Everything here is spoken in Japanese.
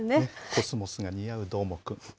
コスモスが似合うどーもくん。